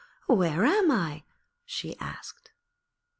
where am I?' she asked.